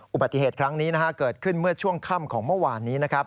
อุบัติเหตุเกิดขึ้นเมื่อช่วงค่ำของเมื่อวาน